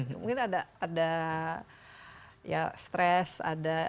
mungkin ada stress ada